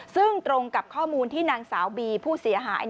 ซึ่งตรงกับข้อมูลที่นางสาวบีผู้เสียหาย